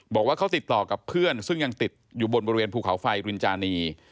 บอกว่าเขาติดต่อกับเพื่อนซึ่งยังติดอยู่บนบริเวณภูเขาไฟรินจานี